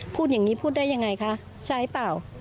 พูดอย่างนี้พูดได้ยังไงคะใช่เปล่า